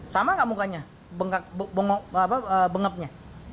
sama enggak mukanya bengkak bengok apa bengepnya